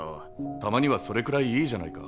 たまにはそれくらいいいじゃないか。